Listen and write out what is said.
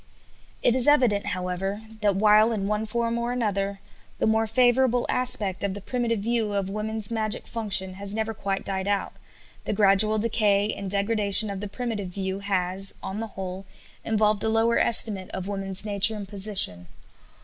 It is evident, however, that, while, in one form or another, the more favorable aspect of the primitive view of women's magic function has never quite died out, the gradual decay and degradation of the primitive view has, on the whole, involved a lower estimate of women's nature and position.